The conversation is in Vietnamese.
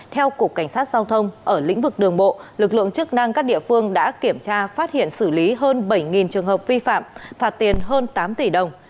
theo cục cảnh sát giao thông ở lĩnh vực đường bộ lực lượng chức năng các địa phương đã kiểm tra phát hiện xử lý hơn bảy trường hợp vi phạm phạt tiền hơn tám tỷ đồng